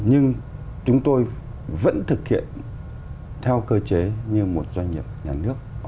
nhưng chúng tôi vẫn thực hiện theo cơ chế như một doanh nghiệp nhà nước